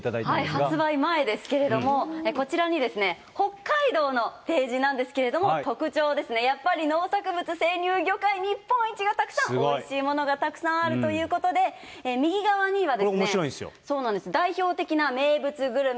発売前ですけれども、こちらに北海道のページなんですけれども、特徴ですね、やっぱり農作物、生乳、魚介、日本一がたくさん、おいしいものがたくさんあるということで、右側には。